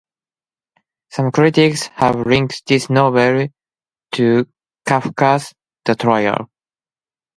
Some critics have likened this novel to Kafka's "The Trial".